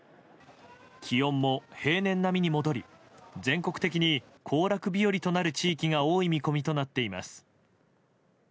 気温も平年並みに戻り全国的に行楽日和となる地域が多い見込みとなっています。